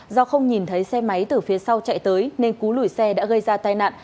do không nhìn thấy xe máy từ phía sau chạy tới nên cú lùi xe đã gây ra tai nạn